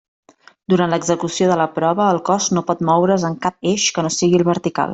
Durant l'execució de la prova, el cos no pot moure's en cap eix que no sigui el vertical.